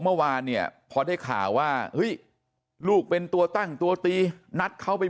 เมื่อวานเนี่ยพอได้ข่าวว่าเฮ้ยลูกเป็นตัวตั้งตัวตีนัดเขาไป